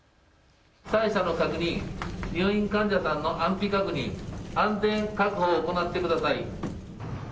被災者の確認、入院患者さんの安否確認、安全確保を行ってください。